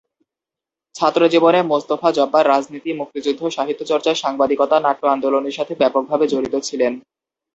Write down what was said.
ছাত্রজীবনে মোস্তাফা জব্বার রাজনীতি, মুক্তিযুদ্ধ, সাহিত্য চর্চা, সাংবাদিকতা, নাট্য আন্দোলনের সাথে ব্যাপকভাবে জড়িত ছিলেন।